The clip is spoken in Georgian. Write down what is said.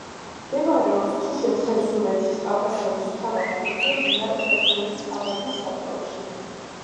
მდებარეობს თუშეთ-ხევსურეთის კავკასიონის მთავარ ქედზე, მდინარე ხევსურეთის არაგვის სათავეში.